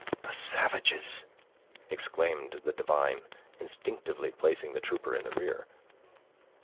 "The savages!" exclaimed the divine, instinctively placing the trooper in the rear.